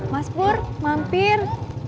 mas pur mampir